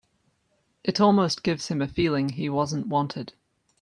It almost gives him a feeling he wasn't wanted.